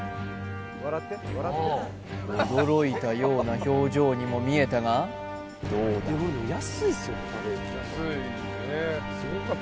驚いたような表情にも見えたがどうだ？